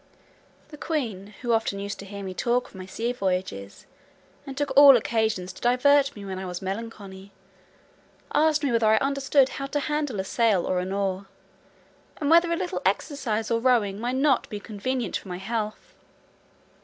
The queen, who often used to hear me talk of my sea voyages, and took all occasions to divert me when I was melancholy, asked me whether I understood how to handle a sail or an oar, and whether a little exercise of rowing might not be convenient for my health?